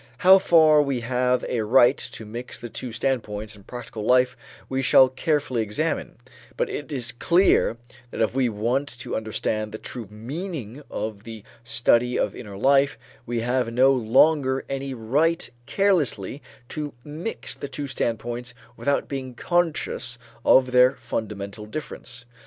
How far we have a right to mix the two standpoints in practical life, we shall carefully examine; but it is clear that if we want to understand the true meaning of the study of inner life, we have no longer any right carelessly to mix the two standpoints without being conscious of their fundamental difference.